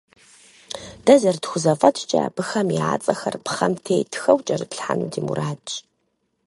Дэ зэрытхузэфӏэкӏкӏэ, абыхэм я цӏэхэр пхъэм теттхэу кӏэрытлъхьэну ди мурадщ.